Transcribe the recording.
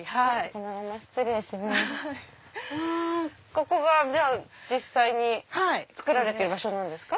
ここが実際に作られてる場所ですか？